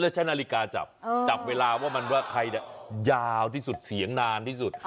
แล้วใช้นาฬิกาจับจับเวลาว่ามันว่าใครเนี่ยยาวที่สุดเสียงนานที่สุด